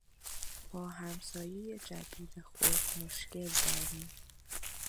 با همسایهی جدید خود مشکل داریم.